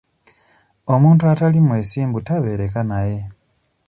Omuntu atali mwesimbu tabeereka naye.